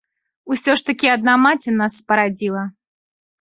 Усё ж такі адна маці нас спарадзіла.